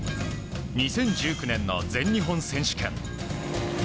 ２０１９年の全日本選手権。